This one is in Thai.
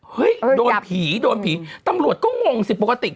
โดนผีโดนผีตำรวจก็งงสิปกติ